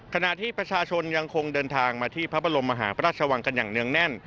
ขณะที่ประชาชนยังคงเดินทางมาที่พระบรมมหาพระราชวังกันอย่างเนื่องแน่น